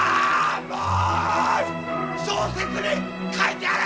小説に書いてやる！